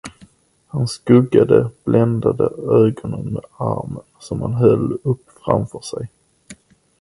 Han skuggade, bländad, ögonen med armen, som han höll upp framför sig.